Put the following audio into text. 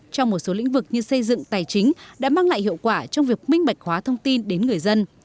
trong một số lĩnh vực như xây dựng tài chính đã mang lại hiệu quả trong việc minh bạch hóa thông tin đến người dân